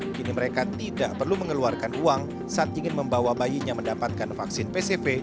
kini mereka tidak perlu mengeluarkan uang saat ingin membawa bayinya mendapatkan vaksin pcv